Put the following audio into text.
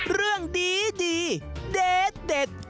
เรื่องดีเด็ด